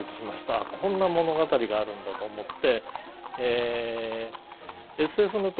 あっこんな物語があるんだと思って。